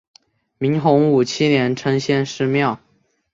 明洪武七年称先师庙。